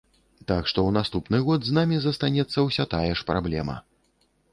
Так што ў наступны год з намі застанецца ўсё тая ж праблема.